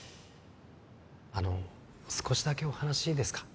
あの少しだけお話いいですか？